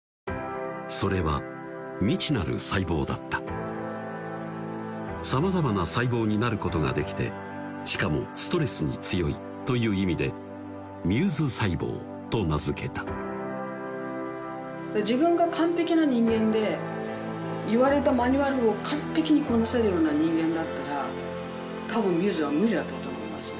それは未知なる細胞だったさまざまな細胞になることができてしかもストレスに強いという意味でＭｕｓｅ細胞と名付けた自分が完璧な人間で言われたマニュアルを完璧にこなせるような人間だったら多分Ｍｕｓｅは無理だったと思いますね